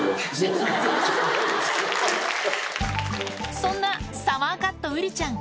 そんなサマーカットウリちゃん